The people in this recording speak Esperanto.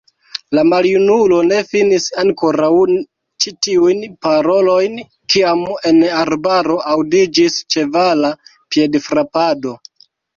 La maljunulo ne finis ankoraŭ ĉi tiujn parolojn, kiam en arbaro aŭdiĝis ĉevala piedfrapado.